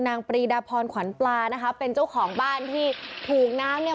ปรีดาพรขวัญปลานะคะเป็นเจ้าของบ้านที่ถูกน้ำเนี่ย